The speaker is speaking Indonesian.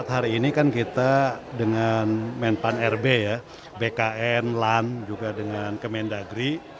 hari ini kan kita dengan menpan rb ya bkn lan juga dengan kemendagri